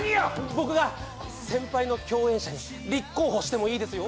僕が先輩の共演者に立候補してもいいですよ？